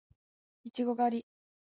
いちご狩り